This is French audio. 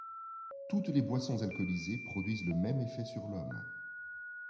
Toutes les boissons alcoolisées produisent le même effet sur l'homme.